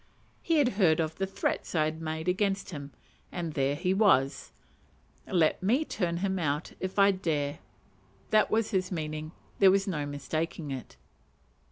He had heard of the threats I had made against him, and there he was; let me turn him out if I dare. That was his meaning, there was no mistaking it.